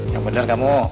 yang bener kamu